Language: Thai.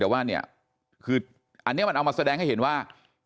แต่ว่าเนี่ยคืออันนี้มันเอามาแสดงให้เห็นว่า